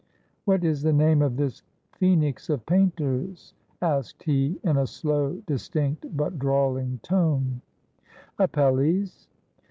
"What is the name of this Phoenix of painters?" asked he, in a slow, distinct, but drawling tone. "Apelles."